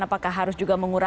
apakah harus juga menggunakan